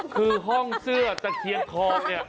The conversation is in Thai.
คือห้องเสื้อตะเคียนทองเนี่ย